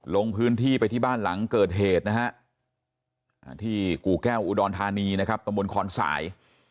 ลงพื้นที่ไปที่บ้านหลังเกิดเหตุนะฮะที่กู่แก้วอุดรธานีนะครับตะมนต์คอนสาย